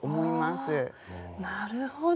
なるほど。